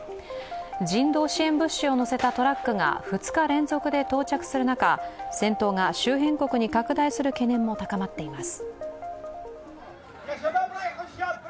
人道支援物資を載せたトラックが２日連続で到着する中、戦闘が周辺国に拡大する懸念も高まっています